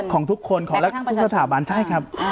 ของทุกคนของสถาบันใช่ครับ